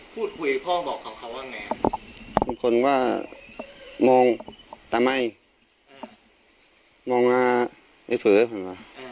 พูดคุยพ่อบอกของเขาว่าไงลุงพลว่ามองแต่ไม่มองหน้าไม่เผื่อไหมวะ